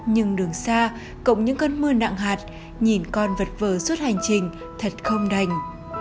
nhưng đường xa cộng những cơn mưa nặng hạt nhìn con vật vờ suốt hành trình thật không đành